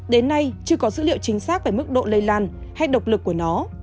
đến nay chưa có dữ liệu chính xác về mức độ lây lan hay độc lực của nó